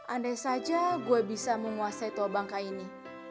andai saja gue bisa menguasai tua bangka ini